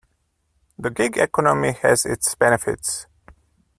The gig economy has its benefits.